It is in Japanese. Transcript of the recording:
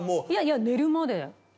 いやいや、寝るまで。